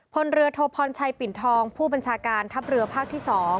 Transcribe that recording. พลเรือโทพรชัยปิ่นทองผู้บัญชาการทัพเรือภาคที่๒